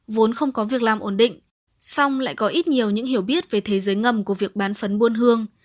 vốn không có việc làm ổn định xong lại có ít nhiều những hiểu biết về thế giới ngầm của việc bán phấn buôn hương